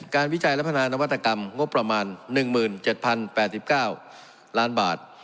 วิจัยและพัฒนานวัตกรรมงบประมาณ๑๗๐๘๙ล้านบาท